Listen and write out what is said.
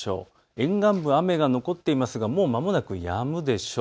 沿岸部、雨が残っていますがもうまもなくやむでしょう。